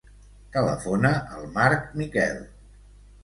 Telefona al Mark Miquel.